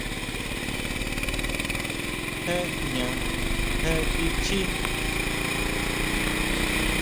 Jé jña jé kichjí.